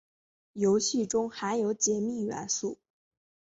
游戏中含有解密元素。